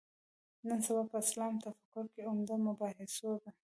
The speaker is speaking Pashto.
نن سبا په اسلامي تفکر کې عمده مباحثو ده.